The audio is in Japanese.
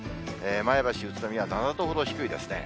前橋、宇都宮、７度ほど低いですね。